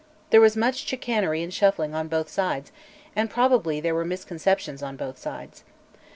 There was much chicanery and shuffling on both sides, and probably there were misconceptions on both sides.